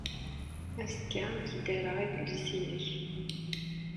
Azekka ad ak-d-rreɣ adlis-nnek.